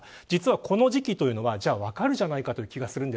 実は、この時期というのはじゃあ分かるじゃないかと。